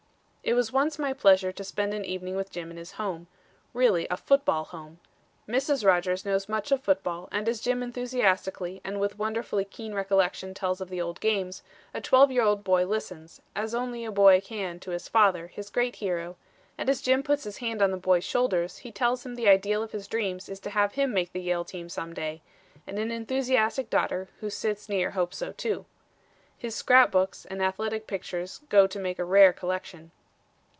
It was once my pleasure to spend an evening with Jim in his home; really a football home. Mrs. Rodgers knows much of football and as Jim enthusiastically and with wonderfully keen recollection tells of the old games, a twelve year old boy listens, as only a boy can to his father, his great hero, and as Jim puts his hand on the boy's shoulders he tells him the ideal of his dreams is to have him make the Yale team some day, and an enthusiastic daughter who sits near hopes so too. His scrap books and athletic pictures go to make a rare collection.